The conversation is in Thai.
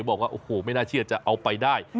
บอกว่าโอ้โหไม่น่าเชื่อจะเอาไปได้